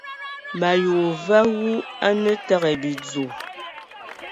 Me ayi wa we awu a na te ai bidzo !